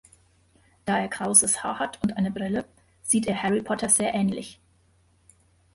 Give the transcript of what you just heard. Da er krauses Haar hat und eine Brille, sieht er Harry Potter sehr ähnlich.